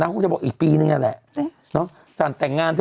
นักจะบอกอีกปีนึงนักแหละ